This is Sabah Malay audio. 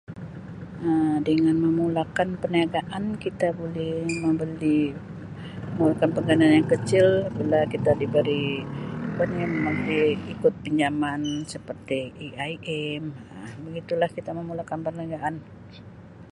Um Dengan memulakan perniagaan kita buli membeli mulakan noise] perniagaan yang kecil bila kita diberi apa ni ikut pinjaman seperti AIM Um begitu lah kita memulakan perniagaan.